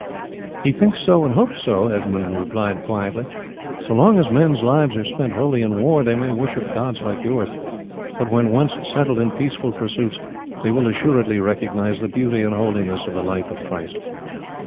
"He thinks so and hopes so," Edmund replied quietly. "So long as men's lives are spent wholly in war they may worship gods like yours, but when once settled in peaceful pursuits they will assuredly recognize the beauty and holiness of the life of Christ.